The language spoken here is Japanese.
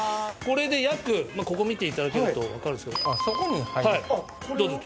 これでここ見ていただけるとわかるんですけど。